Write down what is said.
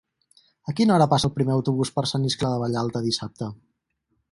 A quina hora passa el primer autobús per Sant Iscle de Vallalta dissabte?